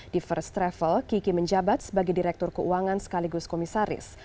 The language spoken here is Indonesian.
di first travel kiki menjabat sebagai direktur keuangan sekaligus komisaris